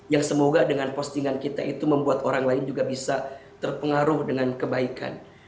yang semoga dengan postingan kita itu membuat orang lain juga bisa terpengaruh dengan kebaikan